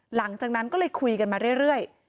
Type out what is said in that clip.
หลังจากนั้นก็เลยคุยกันมาเรื่อย